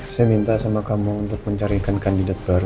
saya minta sama kamu untuk mencarikan kandidat baru